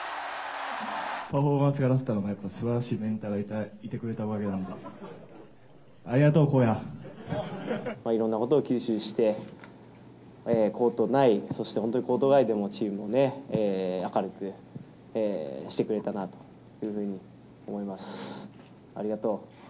パフォーマンスが出せたのもやっぱり、すばらしいメンターがいてくれたおかげなので、ありがとう、いろんなことを吸収して、コート内、そして、本当にコート外でもチームをね、明るくしてくれたなというふうに思います。